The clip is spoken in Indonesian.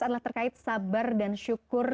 adalah terkait sabar dan syukur